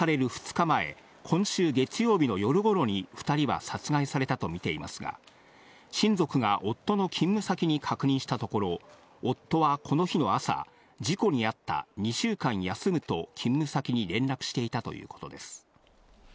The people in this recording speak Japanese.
２日前、今週月曜日の夜頃に２人は殺害されたとみていますが、親族が夫の勤務先に確認したところ、夫はこの日の朝、事故にあった、２週間休むと勤務先に連絡していたということです。